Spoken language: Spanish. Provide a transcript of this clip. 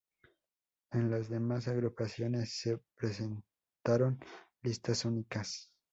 En las demás agrupaciones se presentaron listas únicas.